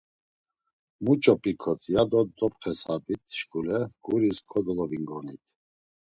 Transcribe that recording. Muç̌o p̌iǩot, ya do dopxesabit şuǩule guris kodolovingonit.